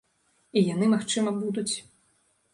І яны, магчыма, будуць.